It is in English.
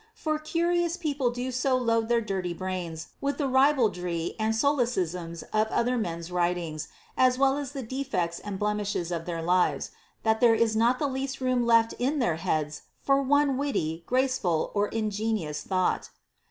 For curious people do so load their dirty brains with the ribaldry and solecisms of other men's writings, as well as the defects and blemishes of their lives, that there is not the least room left in their heads for one witty, graceful, or ingenious thought.